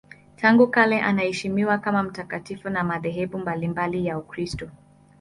Tangu kale anaheshimiwa kama mtakatifu na madhehebu mbalimbali ya Ukristo.